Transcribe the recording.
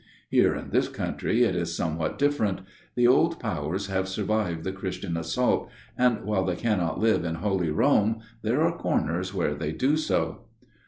Here in this country it is somewhat different. The old powers have survived the Christian assault, and while they cannot live in holy Rome, there are corners where they do so."